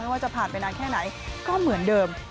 ว่าจะผ่านไปนานแค่ไหนก็เหมือนเดิม